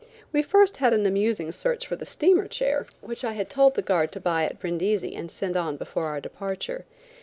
We first had an amusing search for the steamer chair which I had told the guard to buy at Brindisi and send on before our departure.